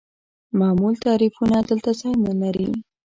معمول تعریفونه دلته ځای نلري.